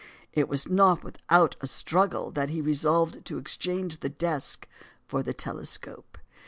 It was not without a struggle that he resolved to exchange the desk for the telescope.